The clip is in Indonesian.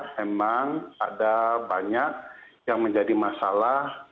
memang ada banyak yang menjadi masalah